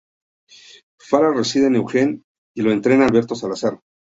Farah reside en Eugene y lo entrena Alberto Salazar.